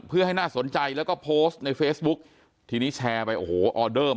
อย่างเช้าพุทธศาสีดาบสภาษาการสุดท้อง